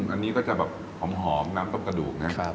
อันนี้ก็จะแบบหอมน้ำต้มกระดูกนะ